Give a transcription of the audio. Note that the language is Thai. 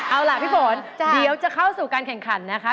เอาล่ะพี่ฝนเดี๋ยวจะเข้าสู่การแข่งขันนะคะ